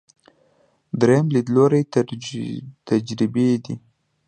درېیم لیدلوری تجربي دی.